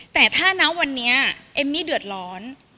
แต่ถ้านะวันนี้เอมมี่เดือดร้อน